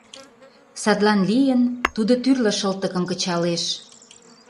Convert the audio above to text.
Садлан лийын, тудо тӱрлӧ шылтыкым кычалеш.